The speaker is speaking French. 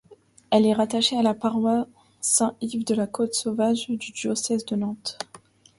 Elle est rattachée à la paroisse Saint-Yves-de-la-Côte-sauvage du diocèse de Nantes.